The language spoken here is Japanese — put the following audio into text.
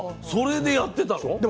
それでやってたの？